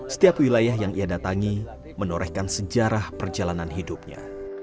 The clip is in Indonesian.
setiap wilayah yang ia datangi menorehkan sejarah perjalanan hidupnya